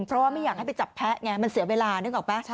เพราะว่าไม่อยากให้ไปจับแพ้ไงมันเสียเวลานึกออกไหม